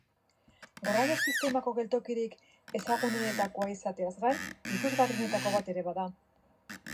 Garraio-sistemako geltokirik ezagunenetakoa izateaz gain, ikusgarrienetako bat ere bada.